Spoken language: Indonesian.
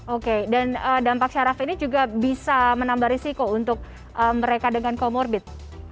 oke dan dampak syaraf ini juga bisa menambah risiko untuk mereka dengan comorbid